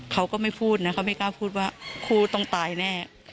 เขาก็ไม่พูดนะเขาไม่กล้าพูดว่าคู่ต้องตายแน่